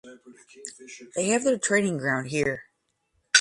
They have their training ground here.